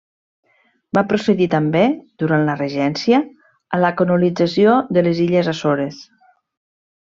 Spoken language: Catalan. Va procedir també, durant la regència, a la colonització de les illes Açores.